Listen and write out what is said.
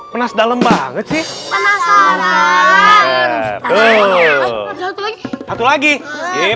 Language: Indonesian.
penasaran banget tuh